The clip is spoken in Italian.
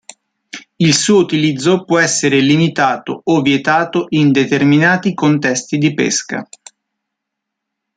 Il suo utilizzo può essere limitato o vietato in determinati contesti di pesca.